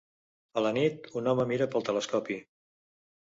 A la nit, un home mira pel telescopi.